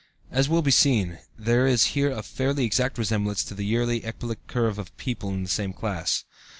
As will be seen, there is here a fairly exact resemblance to the yearly ecbolic curve of people of the same class.